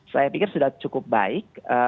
saya pikir sudah cukup baik